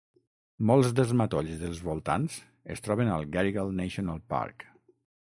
Molts dels matolls dels voltants es troben al Garigal National Park.